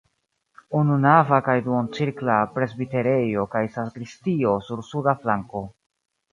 Ununava kun duoncirkla presbiterejo kaj sakristio sur suda flanko.